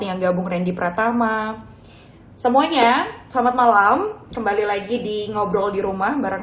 yang gabung randy pratama semuanya selamat malam kembali lagi di ngobrol di rumah bareng